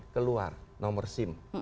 keluar nomor sim